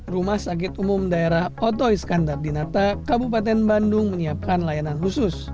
rumah sakit umum daerah otoh iskandar dinata kabupaten bandung menyiapkan layanan khusus